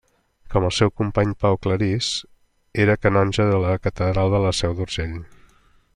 Com el seu company Pau Claris, era canonge de la catedral de la Seu d'Urgell.